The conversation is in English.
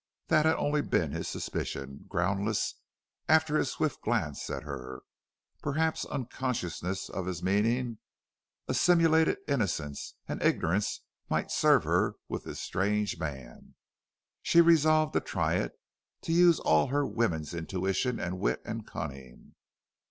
That had only been his suspicion groundless after his swift glance at her. Perhaps unconsciousness of his meaning, a simulated innocence, and ignorance might serve her with this strange man. She resolved to try it, to use all her woman's intuition and wit and cunning.